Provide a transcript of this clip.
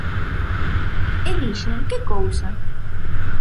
E dixen, que cousa!